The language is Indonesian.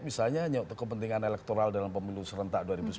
misalnya hanya untuk kepentingan elektoral dalam pemilu serentak dua ribu sembilan belas